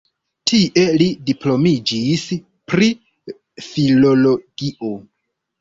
Tie li diplomiĝis pri filologio.